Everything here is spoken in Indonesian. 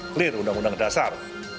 clear undang undang dasar